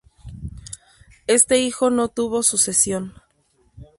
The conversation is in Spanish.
Este hijo no tuvo sucesión.